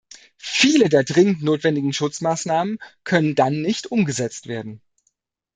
Viele der dringend notwendigen Schutzmaßnahmen können dann nicht umgesetzt werden.